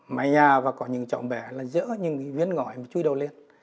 máy nhà và có những chồng bé là dỡ những viên ngõi chúi đầu lên